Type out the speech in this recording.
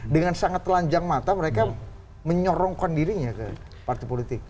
dengan sangat telanjang mata mereka menyorongkan dirinya ke partai politik